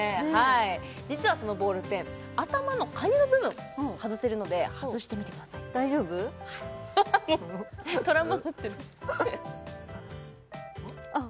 実はそのボールペン頭のカニの部分外せるので外してみてください大丈夫？ははっもうトラウマになってるあっ